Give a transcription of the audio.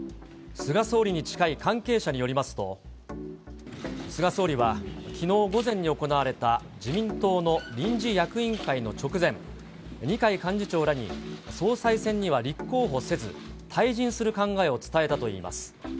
菅総理に近い関係者によりますと、菅総理は、きのう午前に行われた自民党の臨時役員会の直前、二階幹事長らに総裁選には立候補せず、退陣する考えを伝えたといいます。